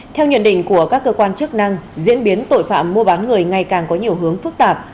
theo nhận định của các cơ quan chức năng diễn biến tội phạm mua bán người ngày càng có nhiều hướng phức tạp